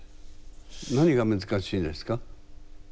何が難しいですか？